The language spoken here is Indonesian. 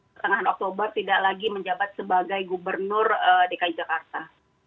pertengahan oktober tidak lagi menjabat sebagai gubernur dki jakarta